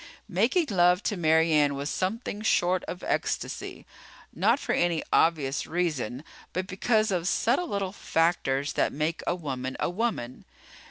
Making love to Mary Ann was something short of ecstasy. Not for any obvious reason, but because of subtle little factors that make a woman a woman.